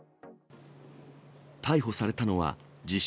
逮捕されたのは、自称